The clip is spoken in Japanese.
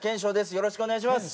よろしくお願いします。